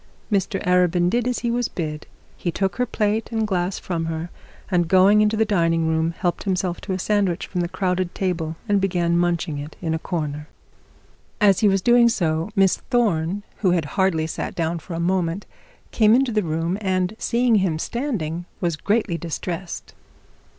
Mr Arabin did as he was bid. He took her plate and glass from her, and going into the dining room, helped himself to a sandwich from the crowded table and began munching it in a corner. As he was doing so, Miss Thorne, who had hardly sat down for a moment, came into the room, and seeing him standing, was greatly distressed.